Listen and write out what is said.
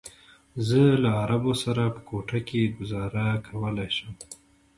زه له عربو سره په کوټه کې ګوزاره کولی شم.